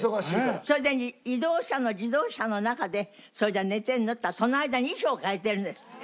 それで移動車の自動車の中で寝てるの？って言ったらその間に衣装替えてるんですって。